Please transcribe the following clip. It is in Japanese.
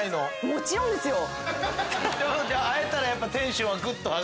もちろんですよ。